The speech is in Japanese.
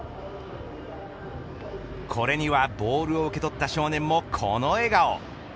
これにはボールを受け取った少年もこの笑顔。